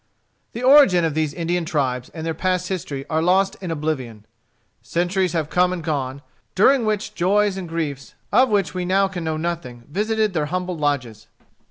The origin of these Indian tribes and their past history are lost in oblivion. Centuries have come and gone, during which joys and griefs, of which we now can know nothing, visited their humble lodges.